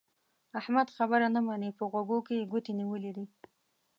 احمد خبره نه مني؛ په غوږو کې يې ګوتې نيولې دي.